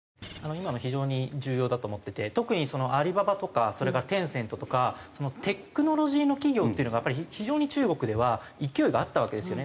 今の非常に重要だと思ってて特にアリババとかそれからテンセントとかテクノロジーの企業っていうのがやっぱり非常に中国では勢いがあったわけですよね。